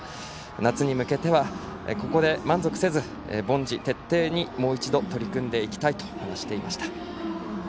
夏に向けてはここで満足せず、凡事徹底にもう一度、取り組んでいきたいと話していました。